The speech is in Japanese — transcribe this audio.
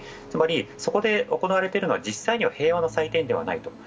つまり、そこで行われているのは実際には平和の祭典ではないと。